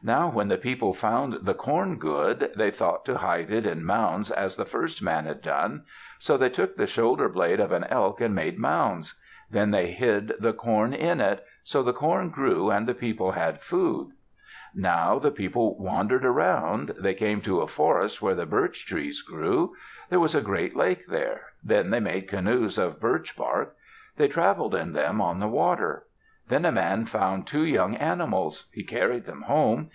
Now when the people found the corn good, they thought to hide it in mounds as the first man had done. So they took the shoulder blade of an elk and made mounds. Then they hid the corn in it. So the corn grew and the people had food. Now as the people wandered around, they came to a forest where the birch trees grew. There was a great lake there. Then they made canoes of birch bark. They traveled in them on the water. Then a man found two young animals. He carried them home.